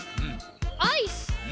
アイス。